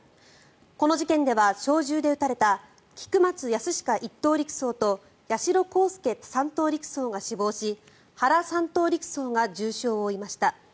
この事件では、小銃で撃たれた菊松安親１等陸曹と八代航佑３等陸曹が死亡し原３等陸曹が重傷を負いました。